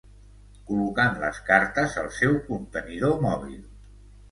Col·locant les cartes al seu contenidor mòbil.